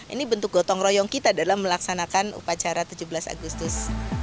ini bentuk gotong royong kita dalam melaksanakan upacara tujuh belas agustus